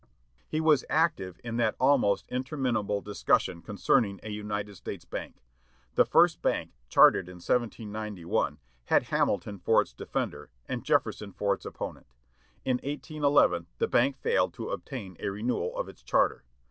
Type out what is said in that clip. He was active in that almost interminable discussion concerning a United States Bank. The first bank, chartered in 1791, had Hamilton for its defender, and Jefferson for its opponent. In 1811, the bank failed to obtain a renewal of its charter.